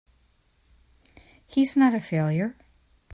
He's not a failure!